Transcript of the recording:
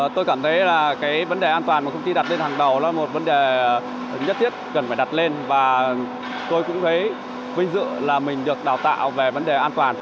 tôi cảm thấy là cái vấn đề an toàn mà công ty đặt lên hàng đầu là một vấn đề nhất thiết cần phải đặt lên và tôi cũng thấy vinh dự là mình được đào tạo về vấn đề an toàn